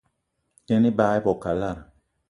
Yen ebag i bo kalada